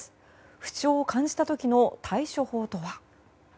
不調を感じた時の対処法とは？